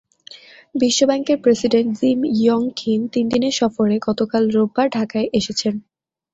বিশ্বব্যাংকের president Jim Yong Kim তিন দিনের সফরে গতকাল রোববার ঢাকায় এসেছেন।